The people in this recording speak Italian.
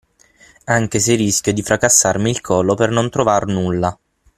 Anche se rischio di fracassarmi il collo per non trovar nulla.